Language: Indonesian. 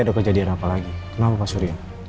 ada kejadian apa lagi kenapa pak surya